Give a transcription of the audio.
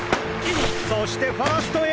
そしてファーストへ。